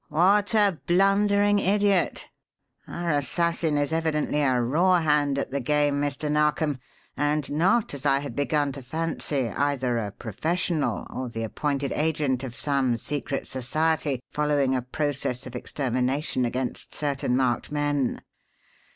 "What a blundering idiot! Our assassin is evidently a raw hand at the game, Mr. Narkom, and not, as I had begun to fancy, either a professional or the appointed agent of some secret society following a process of extermination against certain marked men.